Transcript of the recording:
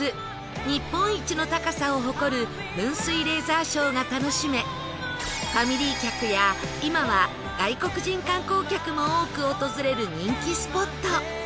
日本一の高さを誇る噴水レーザーショーが楽しめファミリー客や今は外国人観光客も多く訪れる人気スポット